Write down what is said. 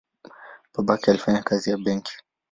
Babake alifanya kazi ya benki.